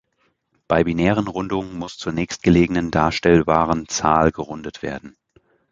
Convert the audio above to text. Bei binären Rundungen muss zur nächstgelegenen darstellbaren Zahl gerundet werden.